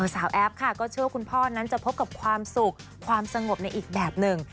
แอฟค่ะก็เชื่อว่านั้นจะพบกับความสุขความสงบในอีกแบบหนึ่ง